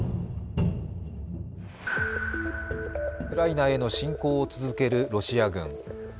ウクライナへの侵攻を続けるロシア軍。